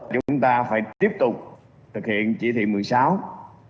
chúng ta phải tiếp tục thực hiện chỉ thị một mươi sáu tăng cường trong những ngày tới